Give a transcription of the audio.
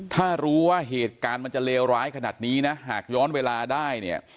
ถ้ารู้ว่าเหตุการณ์มันจะเลวร้ายขนาดนี้นะหากย้อนเวลาได้เนี่ย